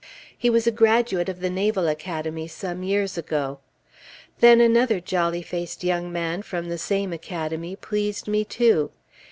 He was a graduate of the Naval Academy some years ago. Then another jolly faced young man from the same Academy, pleased me, too.